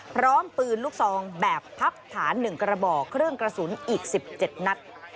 พร้อมปืนลูกซองแบบพับฐาน๑กระบอกเครื่องกระสุนอีก๑๗นัด